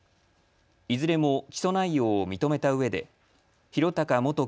いずれも起訴内容を認めたうえで博貴元